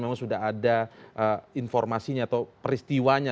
memang sudah ada informasinya atau peristiwanya